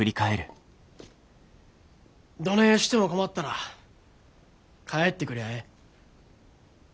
どねえしても困ったら帰ってくりゃあええ。